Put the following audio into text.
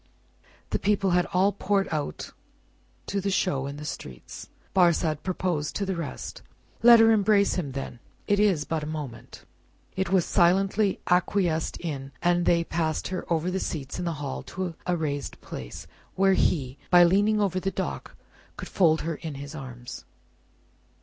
The people had all poured out to the show in the streets. Barsad proposed to the rest, "Let her embrace him then; it is but a moment." It was silently acquiesced in, and they passed her over the seats in the hall to a raised place, where he, by leaning over the dock, could fold her in his arms.